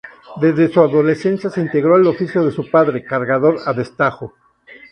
Desde su adolescencia se integró al oficio de su padre, cargador a destajo.